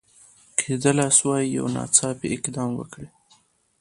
کېدلای سوای یو ناڅاپي اقدام وکړي.